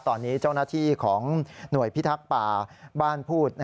ตอนนี้เจ้าหน้าที่ของหน่วยพิทักษ์ป่าบ้านพูด